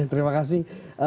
oke terima kasih loh pak